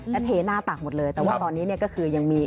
แล้วเทหน้าตากหมดเลยแต่ว่าตอนนี้เนี่ยก็คือยังมี